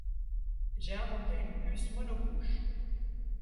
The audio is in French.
J'ai inventé une puce mono-couche.